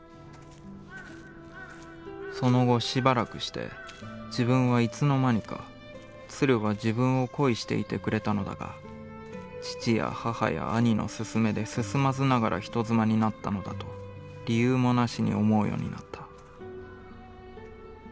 「其後暫くして自分は何時のまにか鶴は自分を恋していてくれたのだが父や母や兄のすすめで進まずながら人妻になったのだと理由も無しに思うようになった」。